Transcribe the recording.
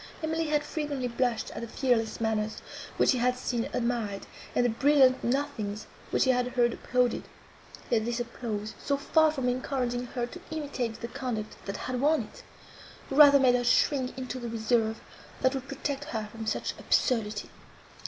Emily had frequently blushed at the fearless manners, which she had seen admired, and the brilliant nothings, which she had heard applauded; yet this applause, so far from encouraging her to imitate the conduct that had won it, rather made her shrink into the reserve, that would protect her from such absurdity.